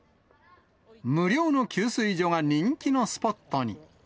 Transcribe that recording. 無料の給水所が人気のスポットに。